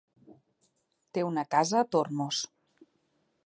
Té una casa a Tormos.